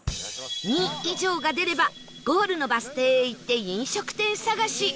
２以上が出ればゴールのバス停へ行って飲食店探し